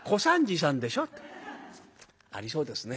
ありそうですね。